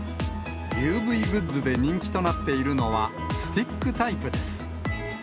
ＵＶグッズで人気となっているのは、スティックタイプです。